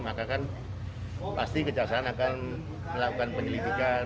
maka kan pasti kejaksaan akan melakukan penyelidikan